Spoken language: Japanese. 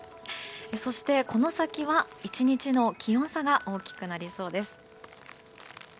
そして、この先は１日の気温差が大きくなりそうです。